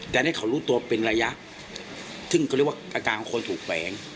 แต่นี่เขารู้ตัวเป็นระยะซึ่งเขาเรียกว่าอาการของคนถูกแฝง